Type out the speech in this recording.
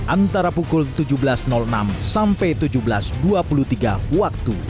antara pukul tujuh belas enam sampai tujuh belas dua puluh tiga waktu